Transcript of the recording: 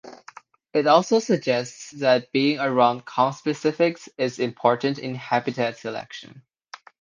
It also suggests that being around conspecifics is important in habitat selection.